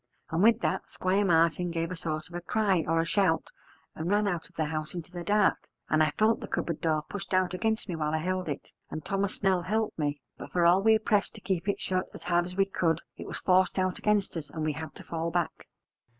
And with that Squire Martin gave a sort of a cry or a shout and ran out of the house into the dark, and I felt the cupboard door pushed out against me while I held it, and Thomas Snell helped me: but for all we pressed to keep it shut as hard as we could, it was forced out against us, and we had to fall back.